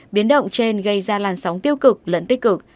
biến động trên gây ra làn sóng tiêu cực lẫn tích cực